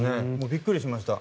びっくりしました。